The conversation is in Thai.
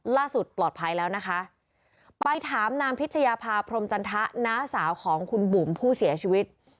ล่าสุดปลอดภัยแล้วนะคะไปถามนางพิชยาภาพรมจันทะน้าสาวของคุณบุ๋มผู้เสียชีวิต